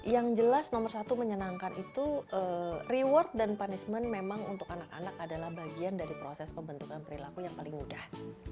yang jelas nomor satu menyenangkan itu reward dan punishment memang untuk anak anak adalah bagian dari proses pembentukan perilaku yang paling mudah